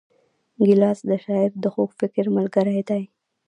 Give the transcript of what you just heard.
ګیلاس د شاعر د خوږ فکر ملګری دی.